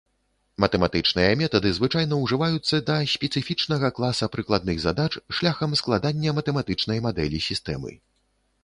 Матэматычныя метады звычайна ўжываюцца да спецыфічнага класа прыкладных задач шляхам складання матэматычнай мадэлі сістэмы.